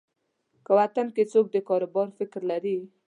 که وطن کې څوک د کاروبار فکر لري.